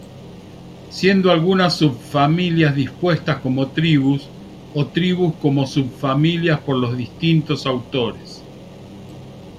Siendo algunas subfamilias dispuestas como tribus o tribus como subfamilias por los distintos autores.